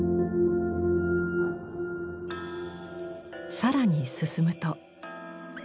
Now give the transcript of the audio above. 更に進むと。